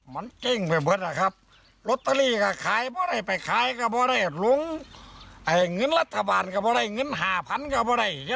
มันเก้งไปเบาะนะครับโรตเตอรี่ก็ขายไปก็บอกเลยหลงเงินรัฐบาลก็บอกเลยเงิน๕๐๐๐ก็บอกเลย